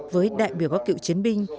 với đại biểu các cựu chiến binh